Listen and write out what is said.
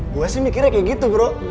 gue sih mikirnya kayak gitu bro